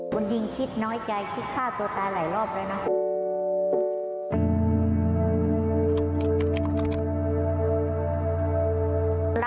คนยิงคิดน้อยใจคิดฆ่าตัวตายหลายรอบแล้วนะ